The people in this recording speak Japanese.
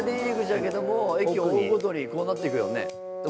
駅追うごとにこうなっていくよね。